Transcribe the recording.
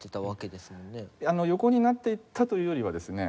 横になっていったというよりはですね